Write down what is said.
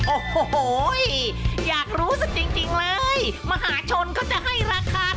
โอ้โฮอยากรู้สิจริงเลยมหาชนเขาจะให้ราคาเท่าไหร่กัน